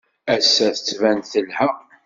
Ass-a, tettban-d telha.